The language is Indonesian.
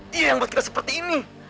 dia yang buat kita seperti ini